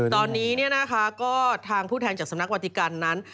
ตอนนี้ก็ทางผู้แทนจากสำนักวัติกันนั้น